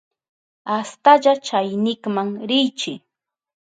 Astalla chaynikman riychi.